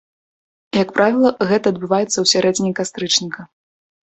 Як правіла, гэта адбываецца ў сярэдзіне кастрычніка.